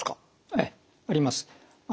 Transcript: ええあります。